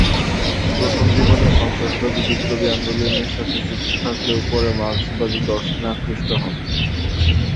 প্রথম জীবনে সন্ত্রাসবাদী বিপ্লবী আন্দোলনের সাথে যুক্ত থাকলেও পরে মার্কসবাদী দর্শনে আকৃষ্ট হন।